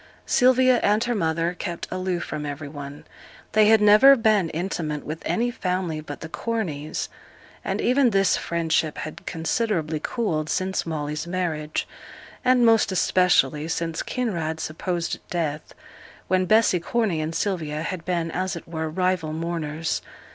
Sylvia and her mother kept aloof from every one. They had never been intimate with any family but the Corneys, and even this friendship had considerably cooled since Molly's marriage, and most especially since Kinraid's supposed death, when Bessy Corney and Sylvia had been, as it were, rival mourners.